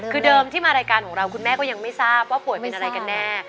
คือเดิมที่มารายการของเราคุณแม่ก็ยังไม่ทราบว่าป่วยเป็นอะไรกันแน่